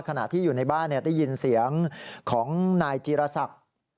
ขณะที่อยู่ในบ้านได้ยินเสียงของนายจีรศักดิ์